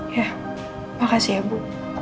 ya makasih ya bu